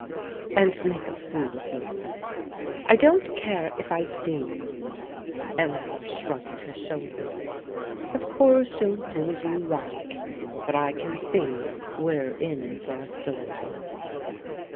" And make a fool of yourself." " I don't care if I do." Eleanor shrugged her shoulders. "Of course you'll do as you like ; but I can see we're in for a storm."